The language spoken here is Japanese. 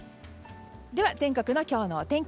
では、全国の今日のお天気